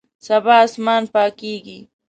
سبا اسمان پاکیږي